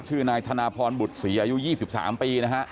ชื่อนายธนภรบุษีอายุ๒๒ปีนะครับ